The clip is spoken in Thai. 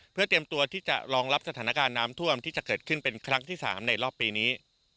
เพื่อเตรียมตัวที่จะรองรับสถานการณ์น้ำท่วมที่จะเกิดขึ้นเป็นครั้งที่๓ในรอบปีนี้